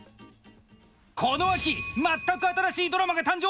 この秋全く新しいドラマが誕生。